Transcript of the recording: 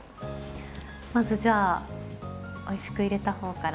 まずじゃあ、おいしくいれたほうから。